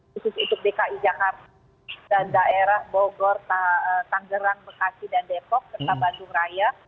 khusus untuk dki jakarta dan daerah bogor tanggerang bekasi dan depok serta bandung raya